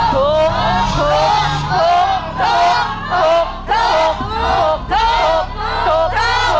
ถูก